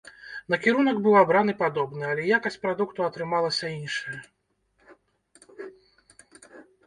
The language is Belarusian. Накірунак быў абраны падобны, але якасць прадукту атрымалася іншая.